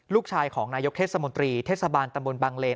ลูกชายของนายกเทศมนตรีเทศบาลตำบลบังเลน